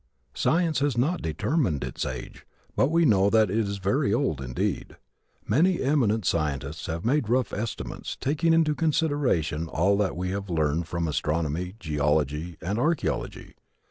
Science has not determined its age but we know that it is very old, indeed. Many eminent scientists have made rough estimates, taking into consideration all that we have learned from astronomy, geology and archeology.